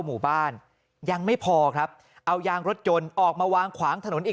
หมู่บ้านยังไม่พอครับเอายางรถยนต์ออกมาวางขวางถนนอีก